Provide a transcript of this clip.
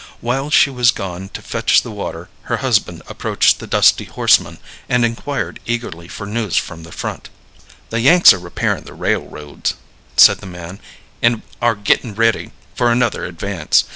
While she was gone to fetch the water her husband approached the dusty horseman and inquired eagerly for news from the front. "The Yanks are repairing the railroads," said the man, "and are getting ready for another advance.